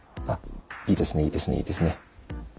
何かいいですね。